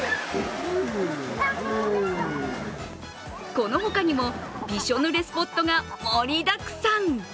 このほかにもびしょぬれスポットが盛りだくさん。